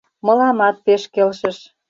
Мыламат пеш келшыш.